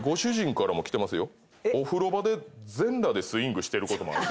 「お風呂場で全裸でスイングしてることもある」